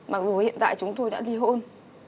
mặc dù hiện tại chúng tôi đã li hôn